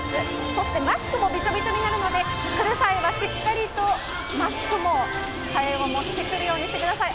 そしてマスクもびちょびちょになるので、来る際はしっかりとマスクも替えを持ってきてください。